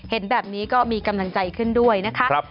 เห็นแบบนี้ก็มีกำลังใจขึ้นด้วยนะคะ